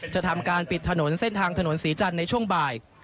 จะทำการปิดถนนเส้นทางถนนศรีจันทร์ในช่วงบ่าย